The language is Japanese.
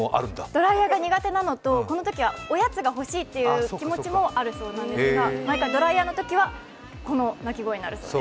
ドライヤーが苦手なのとこのときはおやつが欲しいという気持ちもあるそうなんですが毎回ドライヤーのときはこの鳴き声になるそうです。